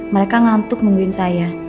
mereka ngantuk nungguin saya